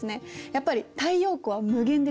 やっぱり太陽光は無限ですから。